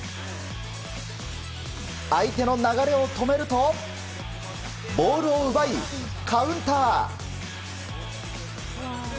相手の流れを止めるとボールを奪いカウンター。